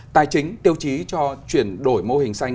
tài chính tiêu chí cho chuyển đổi mô hình xanh